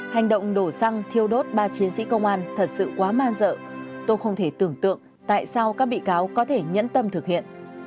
hành động đổ xăng thiêu đốt ba chiến sĩ công an thật sự quá man dợ tôi không thể tưởng tượng tại sao các bị cáo có thể nhẫn tâm thực hiện